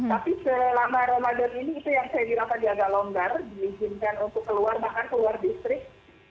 tapi selama ramadan ini itu yang saya bilang tadi agak longgar diizinkan untuk keluar bahkan keluar distrik